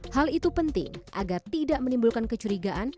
hal itu penting agar tidak menimbulkan kecurigaan